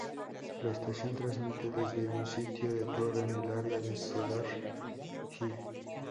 La estación transmite desde un sitio de torre en el área de Cedar Hill.